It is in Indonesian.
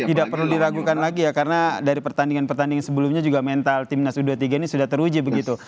tidak perlu diragukan lagi ya karena dari pertandingan pertandingan sebelumnya juga mental timnas u dua puluh tiga ini sudah teruji begitu